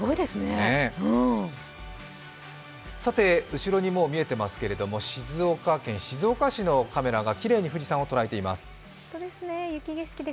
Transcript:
後ろに見えてますけど静岡県静岡市のカメラがきれいに富士山を捉えています。